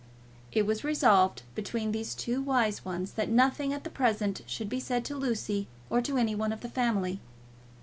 It was resolved between these two wise ones that nothing at the present should be said to Lucy or to any one of the family.